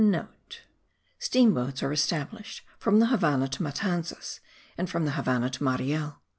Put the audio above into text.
(* Steam boats are established from the Havannah to Matanzas, and from the Havannah to Mariel.